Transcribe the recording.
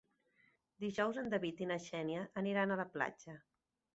Dijous en David i na Xènia aniran a la platja.